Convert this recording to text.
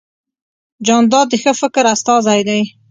جانداد د ښه فکر استازی دی.